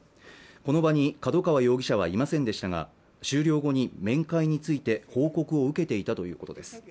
この場に角川容疑者はいませんでしたが終了後に面会について報告を受けていたということです